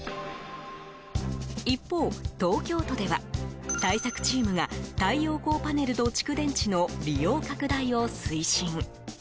一方、東京都では対策チームが太陽光パネルと蓄電池の利用拡大を推進。